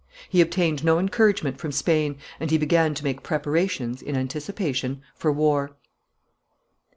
He obtained no encouragement from Spain, and he began to make preparations, in anticipation, for war.